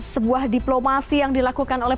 sebuah diplomasi yang dilakukan oleh